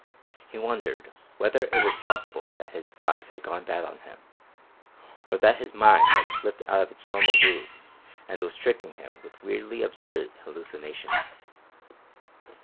He wondered whether it was possible that his eyes had gone bad on him, or that his mind had slipped out of its normal groove and was tricking him with weirdly absurd hallucinations.